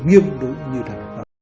nghiêm đối như là